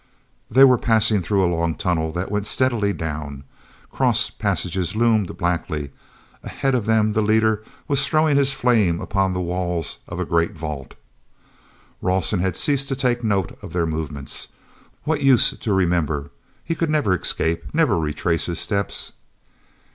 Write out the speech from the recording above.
They were passing through a long tunnel that went steadily down. Cross passages loomed blackly; ahead of them the leader was throwing his flame upon the walls of a great vault. Rawson had ceased to take note of their movements. What use to remember? He could never escape, never retrace his steps.